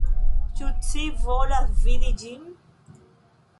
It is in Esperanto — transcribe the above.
Ĉu ci volas vidi ĝin?